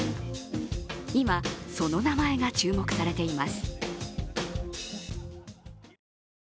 今、その名前が注目されています。